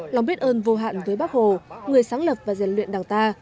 lòng biết ơn vô hạn với bác hồ người sáng lập và rèn luyện đảng ta